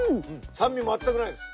酸味全くないです。